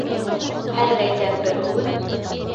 Хәҙер әйтәм бер һүҙ!